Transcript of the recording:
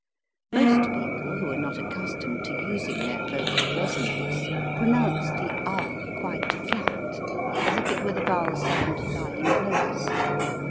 Most people who are not accustomed to using their vocal resonance pronounce the ah quite flat, as if it were the vowel sound lying lowest.